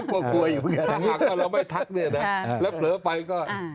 แล้วเผลอไปก็